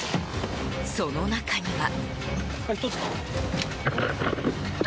その中には。